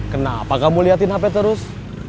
kenapa kamu liatin apa terus